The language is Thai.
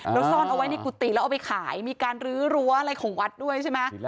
แล้วซ่อนเอาไว้ในกุฏิแล้วเอาไปขายมีการลื้อรั้วอะไรของวัดด้วยใช่ไหม